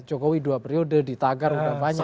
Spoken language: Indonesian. jokowi dua periode di tagar udah banyak